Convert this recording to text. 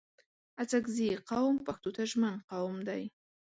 اڅګزي قوم پښتو ته ژمن قوم دی